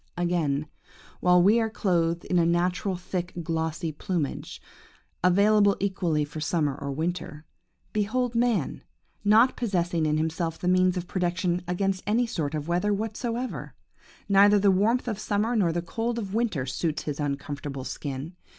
"Again, while we are clothed in a natural thick, glossy plumage, available equally for summer or winter, behold man, not possessing in himself the means of protection against any sort of weather whatever! Neither the warmth of summer nor the cold of winter suits his uncomfortable skin.